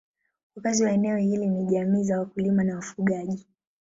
Wakazi wa eneo hili ni jamii za wakulima na wafugaji.